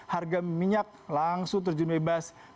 harga minyak langsung terjun bebas